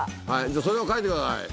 じゃあそれを描いてください。